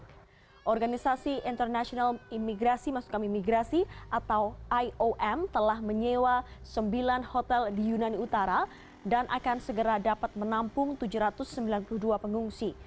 organisasi internasional imigrasi maksud kami migrasi atau iom telah menyewa sembilan hotel di yunani utara dan akan segera dapat menampung tujuh ratus sembilan puluh dua pengungsi